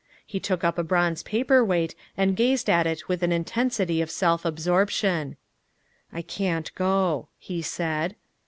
He took up a bronze paper weight and gazed at it with an intensity of self absorption. "I can't go," he said.